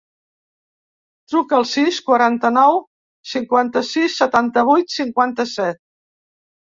Truca al sis, quaranta-nou, cinquanta-sis, setanta-vuit, cinquanta-set.